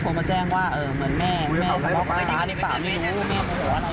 พูดมาแจ้งว่าแม่ของน้องก็ร้านหรือเปล่าไม่รู้แม่ของหัวอะไร